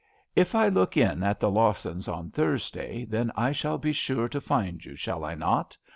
If I look in at the Lawsons on Thursday, then, I shall be sure to find you, shall I not